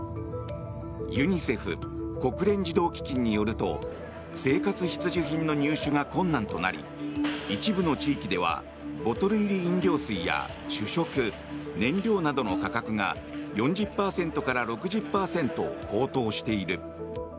ユニセフ・国連児童基金によると生活必需品の入手が困難となり一部の地域ではボトル入り飲料水や主食、燃料などの価格が４０％から６０％高騰している。